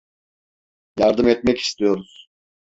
Yardım etmek istiyoruz.